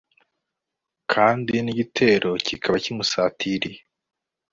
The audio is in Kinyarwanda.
kandi n'igitero kikaba kimusatiriye